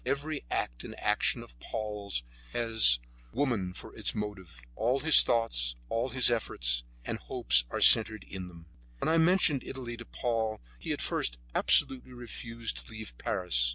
Every act and action of Paul's has woman for its motive; all his thoughts, all his efforts and hopes are centered in them. When I mentioned Italy to Paul he at first absolutely refused to leave Paris.